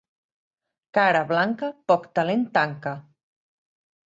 Cara blanca poc talent tanca.